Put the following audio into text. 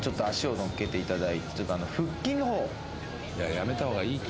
やめた方がいいって。